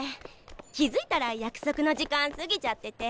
気づいたら約束の時間過ぎちゃってて。